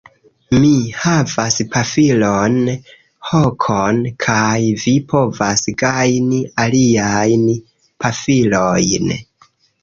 Mi havas pafilon, hokon... kaj vi povas gajni aliajn pafilojn.